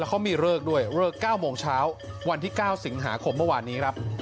เขามีเลิกด้วยเลิก๙โมงเช้าวันที่๙สิงหาคมเมื่อวานนี้ครับ